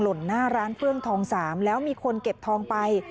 ล่นหน้าร้านเฟื่องทอง๓แล้วมีคนเก็บทองไป